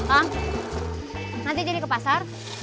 bang nanti jadi ke pasar